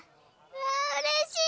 うわうれしい！